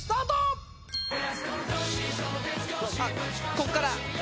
「こっから」